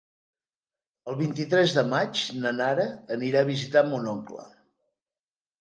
El vint-i-tres de maig na Nara anirà a visitar mon oncle.